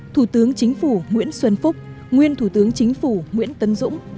thủ tướng chính phủ nguyễn xuân phúc nguyên thủ tướng chính phủ nguyễn tấn dũng